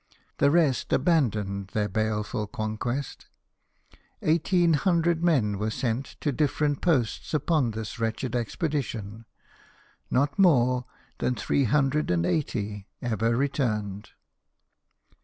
The rest abandoned their baleful conquest. Eighteen hundred men were sent to different posts upon this wretched expedition ; not more than three hundred and eighty ever returned.